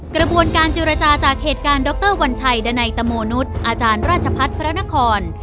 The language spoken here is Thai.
กระบวนการเจรจาจากเหตุการณ์ดรวัญชัยดันัยตโมนุษย์อาจารย์ราชพัฒน์พระนคร